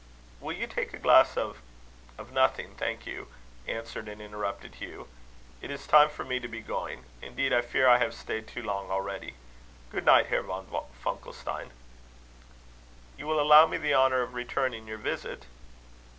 "Will you take a glass of ?" "Of nothing, thank you," answered and interrupted Hugh. "It is time for me to be going. Indeed, I fear I have stayed too long already. Good night, Herr von Funkelstein." "You will allow me the honour of returning your visit?"